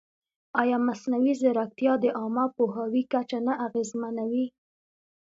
ایا مصنوعي ځیرکتیا د عامه پوهاوي کچه نه اغېزمنوي؟